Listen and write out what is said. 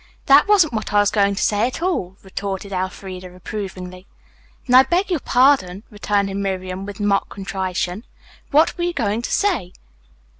"That wasn't what I was going to say at all," retorted Elfreda reprovingly. "Then I beg your pardon," returned Miriam, with mock contrition. "What were you going to say?"